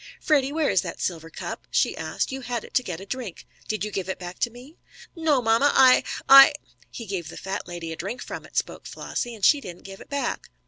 "Freddie, where is that silver cup?" she asked. "You had it to get a drink. Did you give it back to me?" "No, mamma, I I" "He gave the fat lady a drink from it," spoke Flossie, "and she didn't give it back."